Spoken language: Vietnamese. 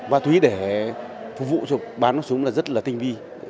ma túy để phục vụ cho bán cho súng là rất là tinh vi